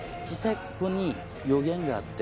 ここに予言があって。